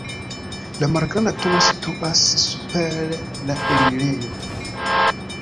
La malgranda turo situas super la enirejo.